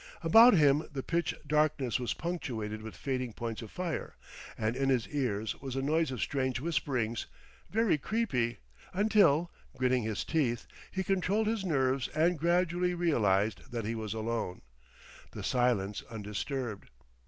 About him the pitch darkness was punctuated with fading points of fire, and in his ears was a noise of strange whisperings, very creepy until, gritting his teeth, he controlled his nerves and gradually realized that he was alone, the silence undisturbed.